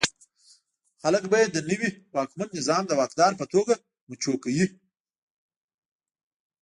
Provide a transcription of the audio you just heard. خلک به یې د نوي واکمن نظام د واکدار په توګه مچو کوي.